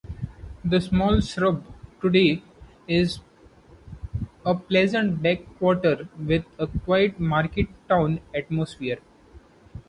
The small suburb today is a pleasant backwater with a quiet market-town atmosphere.